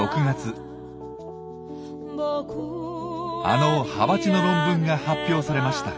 あのハバチの論文が発表されました。